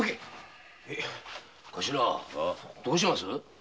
頭どうします？